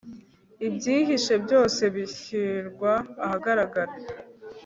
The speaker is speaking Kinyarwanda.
ibyihishe byose bishyirwa ahagaragara